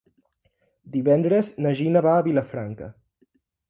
Divendres na Gina va a Vilafranca.